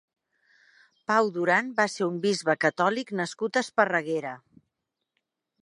Pau Duran va ser un bisbe catòlic nascut a Esparreguera.